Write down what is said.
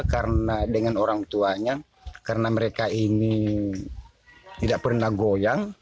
karena dengan orang tuanya karena mereka ini tidak pernah goyang